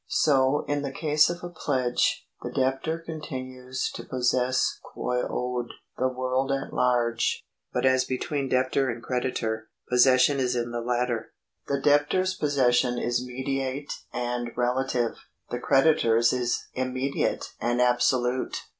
So in the case of a pledge, the debtor continues to possess quoad the world at large ; but as between debtor and creditor, posses sion is in the latter. The debtor's possession is mediate and relative ; the creditor's is immediate and absolute.